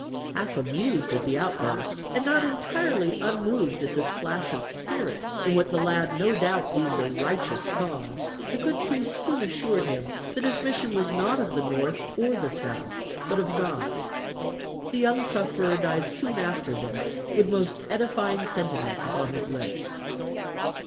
Half amused at the outburst, and not entirely unmoved at this flash of spirit in what the lad no doubt deemed a righteous cause, the good priest soon assured him that his mission was not of the North or the South, but of God. The young sufferer died soon after this with most edifying sentiments upon his lips.